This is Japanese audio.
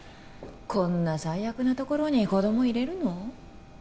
こんな最悪なところに子供入れるの？